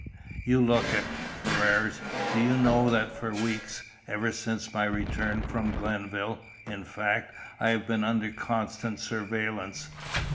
You look it. Ferrars, do you know that for weeks, ever since my return from Glenville, in fact, I have been under constant surveillance?"